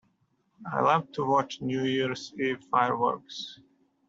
I love to watch New Year's Eve fireworks.